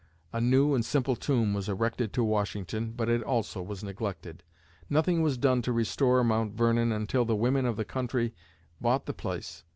A new and simple tomb was erected to Washington, but it also was neglected. Nothing was done to restore Mount Vernon until the women of the country bought the place.